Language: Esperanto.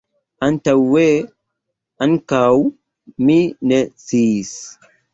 Antaŭe ankaŭ mi ne sciis.